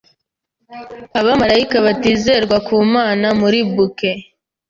Abamarayika batizerwa ku Mana muri boquet